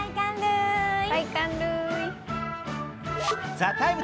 「ＴＨＥＴＩＭＥ，」